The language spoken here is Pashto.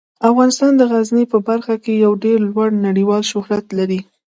افغانستان د غزني په برخه کې یو ډیر لوړ نړیوال شهرت لري.